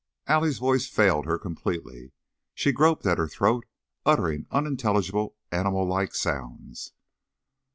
Allie's voice failed her completely, she groped at her throat, uttering unintelligible, animal like sounds.